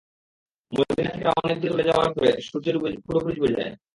মদীনা থেকে তারা অনেক দূরে চলে যাওয়ার পর সূর্য পুরোপুরি ডুবে যায়।